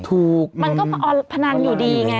มันก็พอพนันอยู่ดีไง